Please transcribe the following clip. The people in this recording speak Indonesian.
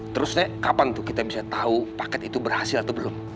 terus nek kapan tuh kita bisa tahu paket itu berhasil atau belum